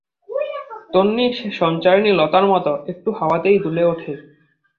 তম্বী সে সঞ্চারিণী লতার মতো, একটু হাওয়াতেই দুলে ওঠে।